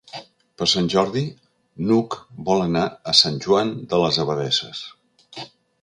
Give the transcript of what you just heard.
Per Sant Jordi n'Hug vol anar a Sant Joan de les Abadesses.